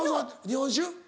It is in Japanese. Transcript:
日本酒？